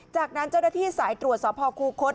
จากนั้นเจ้าหน้าที่สายตรวจสคุคส